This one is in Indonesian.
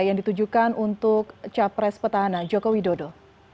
yang ditujukan untuk capres petahana jokowi dodo